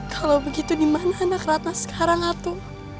kalau begitu dimana anak radna sekarang atu